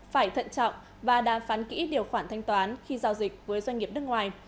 phải thận trọng và đàm phán kỹ điều khoản thanh toán khi giao dịch với doanh nghiệp nước ngoài